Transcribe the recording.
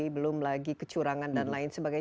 belum lagi kecurangan dan lain sebagainya